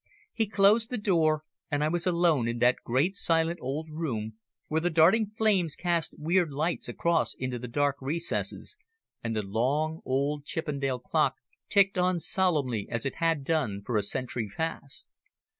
He closed the door, and I was alone in that great silent old room where the darting flames cast weird lights across into the dark recesses, and the long, old Chippendale clock ticked on solemnly as it had done for a century past.